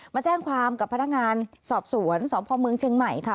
มาแจ้งความกับพนักงานสอบสวนสพเมืองเชียงใหม่ค่ะ